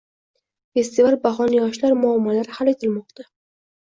Festival bahona yoshlar muammolari hal etilmoqda